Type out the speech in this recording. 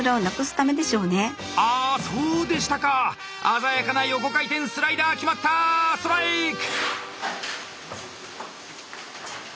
鮮やかな横回転スライダー決まったストライク！